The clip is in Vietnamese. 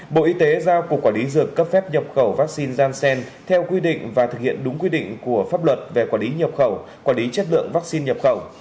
bộ y tế giao cục quản lý dược cấp phép nhập khẩu vaccine gian xen theo quy định và thực hiện đúng quy định của pháp luật về quản lý nhập khẩu quản lý chất lượng vaccine nhập khẩu